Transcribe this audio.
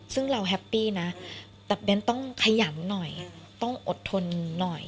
ซึ่งเราแฮปปี้นะแต่เบ้นต้องขยันหน่อยต้องอดทนหน่อย